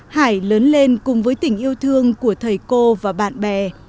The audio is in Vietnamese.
hải lớn lên cùng với tình yêu thương của thầy cô và bạn bè